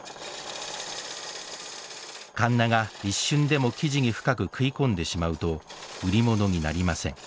かんなが一瞬でも木地に深く食い込んでしまうと売り物になりません。